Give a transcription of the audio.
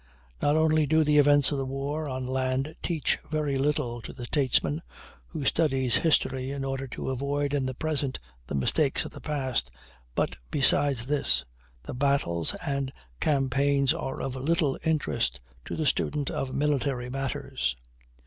Not only do the events of the war on land teach very little to the statesman who studies history in order to avoid in the present the mistakes of the past, but besides this, the battles and campaigns are of little interest to the student of military matters.